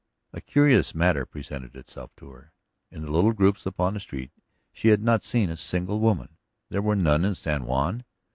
... A curious matter presented itself to her. In the little groups upon the street she had not seen a single woman. Were there none in San Juan?